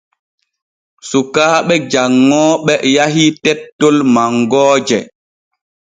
Sukaaɓe janŋooɓe yahii tettol mangooje.